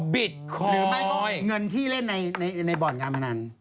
อ๋อบิตคอยน์หรือไม่ก็เงินที่เล่นในบอร์ดการ์มนั้น